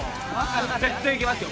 絶対いけますよ